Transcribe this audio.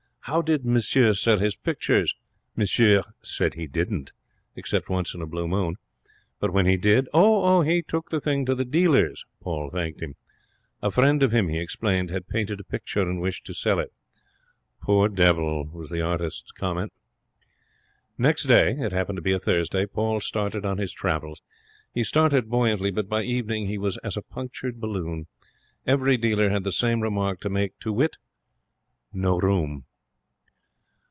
How did monsieur sell his pictures? Monsieur said he didn't, except once in a blue moon. But when he did? Oh, he took the thing to the dealers. Paul thanked him. A friend of him, he explained, had painted a picture and wished to sell it. 'Poor devil!' was the artist's comment. Next day, it happening to be a Thursday, Paul started on his travels. He started buoyantly, but by evening he was as a punctured balloon. Every dealer had the same remark to make to wit, no room.